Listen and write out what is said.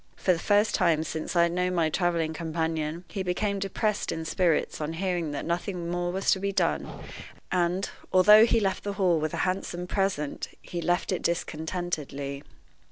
For the first time since I had known my traveling companion, he became depressed in spirits on hearing that nothing more was to be done, and, although he left the Hall with a handsome present, he left it discontentedly.